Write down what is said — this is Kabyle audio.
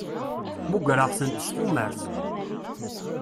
Mmugreɣ-tent s tumert.